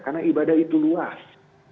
karena ibadah itu luas